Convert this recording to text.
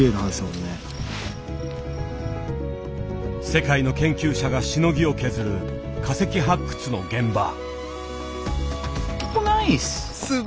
世界の研究者がしのぎを削る化石発掘の現場。